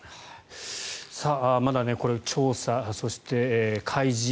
まだ調査そして開示